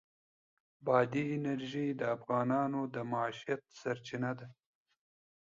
بادي انرژي د افغانانو د معیشت سرچینه ده.